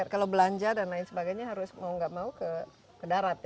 kalau belanja dan lain sebagainya harus mau nggak mau ke darat ya